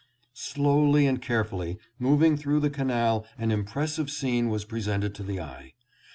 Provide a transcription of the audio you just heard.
Slowly and carefully moving through the canal an impressive scene was presented to the eye.